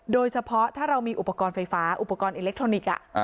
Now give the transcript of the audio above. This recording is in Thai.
โดยเฉพาะถ้าเรามีอุปกรณ์ไฟฟ้าอุปกรณ์อิเล็กทรอนิกส์